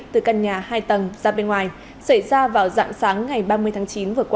từ căn nhà hai tầng ra bên ngoài xảy ra vào dạng sáng ngày ba mươi tháng chín